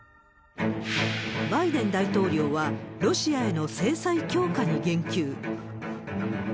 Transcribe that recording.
バイデン大統領は、ロシアへの制裁強化に言及。